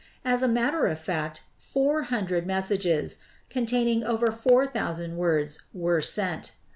As a matter of fact, four hundred messages, containing over four thousand words, were sent.